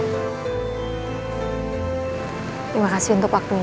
terima kasih untuk waktu ini